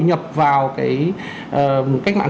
nhập vào cái cách mạng